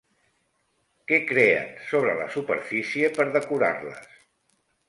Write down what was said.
Què creen sobre la superfície per decorar-les?